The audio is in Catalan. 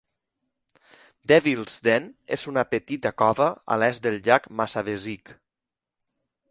Devil's Den és una petita cova a l'est del llac Massabesic.